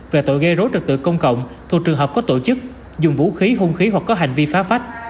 về tội gây rối trật tự công cộng thuộc trường hợp có tổ chức dùng vũ khí hung khí hoặc có hành vi phá phách